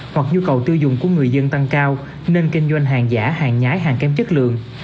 hoặc nhu cầu tiêu dùng của người dân tăng cao nên kinh doanh hàng giả hàng nhái hàng kém chất lượng